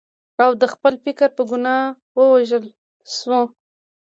او د خپل فکر په ګناه ووژل شو.